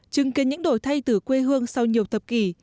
chứng kiến những đổi thay từ quê hương sau nhiều thập kỷ